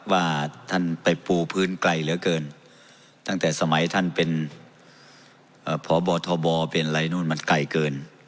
ว่าท่านไปปูพื้นไกลเหลือเกินตั้งแต่สมัยท่านเป็นพบทบเป็นอะไรนู่นมันไกลเกิน